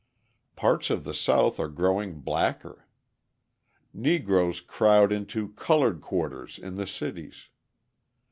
Parts of the South are growing blacker. Negroes crowd into "coloured quarters" in the cities.